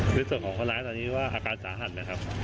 และเสิร์ฟของคนร้ายตอนนี้ว่าการสาหัสไหมครับ